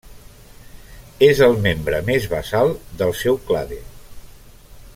És el més membre més basal del seu clade.